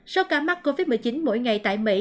số ca mắc covid một mươi chín mỗi ngày tại mỹ